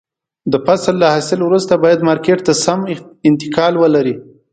د فصل له حاصل وروسته باید مارکېټ ته سمه انتقال ولري.